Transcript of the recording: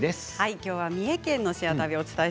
きょうは三重県の「シェア旅」です。